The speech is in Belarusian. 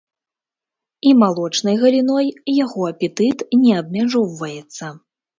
І малочнай галіной яго апетыт не абмяжоўваецца.